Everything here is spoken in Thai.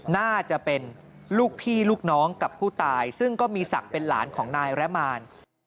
น่าจะเป็นลูกพี่ลูกน้องกับผู้ตายซึ่งก็มีศักดิ์เป็นหลานของนายระมาน